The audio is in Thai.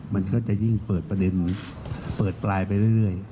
มันก็จะยิ่งเปิดประเด็นเปิดปลายไปเรื่อย